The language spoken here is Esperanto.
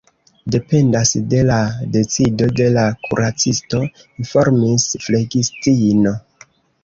Dependas de la decido de la kuracisto, informis flegistino.